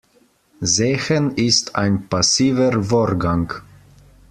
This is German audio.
Sehen ist ein passiver Vorgang.